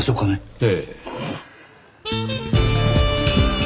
ええ。